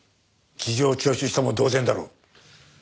事情聴取したも同然だろう。